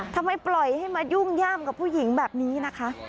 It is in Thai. ทำไมปล่อยให้มายุ่งย่ามกับผู้หญิงแบบนี้นะคะ